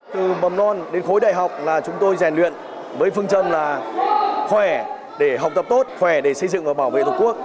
từ mầm non đến khối đại học là chúng tôi rèn luyện với phương chân là khỏe để học tập tốt khỏe để xây dựng và bảo vệ thủ quốc